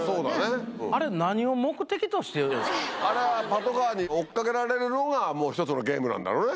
あれはパトカーに追っかけられるのがもう１つのゲームなんだろうね。